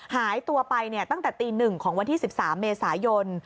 หายตัวไปตั้งแต่ตี๑ของวันที่๑๓เมษายน